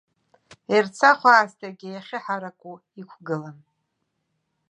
Ерцахә аасҭагьы иахьыҳараку иқәгылан.